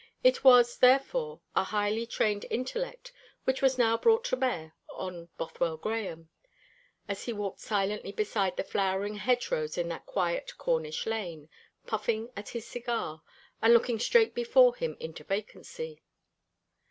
It was, therefore, a highly trained intellect which was now brought to bear upon Bothwell Grahame, as he walked silently beside the flowering hedgerows in that quiet Cornish lane, puffing at his cigar, and looking straight before him into vacancy.